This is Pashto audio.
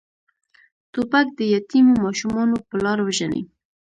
توپک د یتیمو ماشومانو پلار وژني.